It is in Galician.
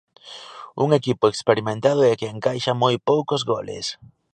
Un equipo experimentado e que encaixa moi poucos goles.